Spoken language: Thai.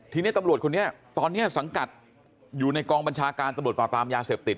ทีนี้ตำรวจคนนี้ตอนนี้สังกัดอยู่ในกองบัญชาการตำรวจปราบปรามยาเสพติด